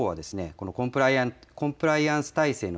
このコンプライアンス体制の